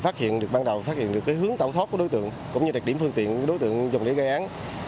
thì bắt đầu phát hiện được hướng tạo thóp của đối tượng cũng như đặc điểm phương tiện của đối tượng dùng để gây án